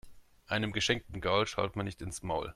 Einem geschenkten Gaul schaut man nicht ins Maul.